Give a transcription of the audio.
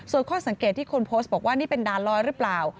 ส่วนข้อสังเกตที่คนโพสต์บอกว่านี่เป็นด่านลอยหรือเปล่า